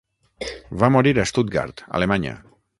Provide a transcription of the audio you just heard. Va morir a Stuttgart, Alemanya.